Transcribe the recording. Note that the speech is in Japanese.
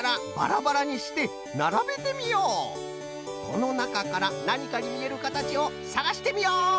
このなかからなにかにみえるかたちをさがしてみよう！